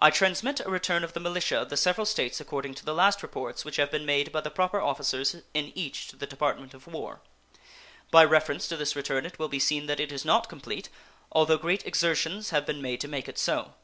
I transmit a return of the militia of the several States according to the last reports which have been made by the proper officers in each to the Department of War. By reference to this return it will be seen that it is not complete, although great exertions have been made to make it so.